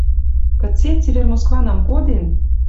Кыце, цевер Москванам коден